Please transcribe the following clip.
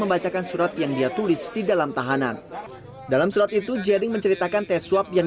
membacakan surat yang dia tulis di dalam tahanan dalam surat itu jering menceritakan tes swab yang